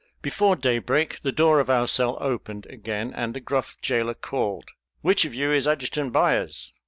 Before daybreak the door of our cell opened again and the gruff jailer called, "Which of you is Adjutant Byers."